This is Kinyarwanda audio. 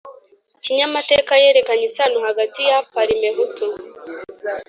kinyamateka yerekanye isano hagati ya parimehutu